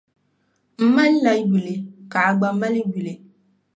M malila yuli ka a gba mali yuli.